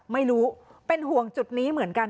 ไม่รู้เป็นห่วงจุดนี้เหมือนกัน